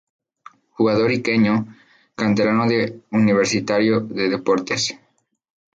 Jugador iqueño, canterano de Universitario de Deportes.